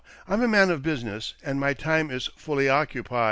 I'm a man of business, and my time is fully occupied.